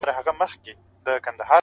راڅخه زړه وړي رانه ساه وړي څوك _